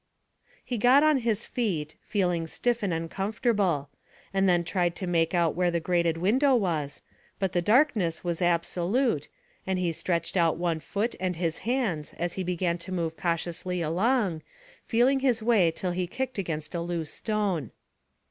He got on his feet, feeling stiff and uncomfortable, and then tried to make out where the grated window was, but the darkness was absolute, and he stretched out one foot and his hands, as he began to move cautiously along, feeling his way till he kicked against a loose stone.